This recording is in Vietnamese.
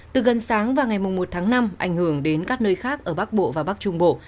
từ gần sáng và ngày một tháng năm ảnh hưởng đến các nơi khác ở bắc bộ và bắc trung bộ